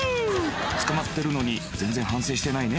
捕まってるのに全然反省してないね。